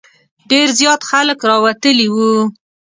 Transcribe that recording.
ډېر زیات خلک راوتلي وو.